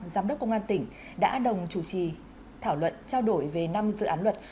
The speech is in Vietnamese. giám đốc công an tỉnh đã đồng chủ trì thảo luận trao đổi về năm dự án luật